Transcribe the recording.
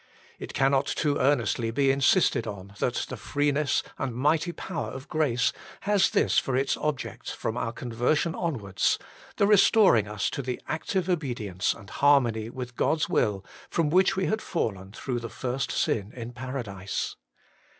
It cannot too earnestly be insisted on that the freeness and mighty power of grace has this for its object from our conversion onwards, the restoring us to the active obedience and harmony with God's will from which we had fallen through the first sin in Paradise.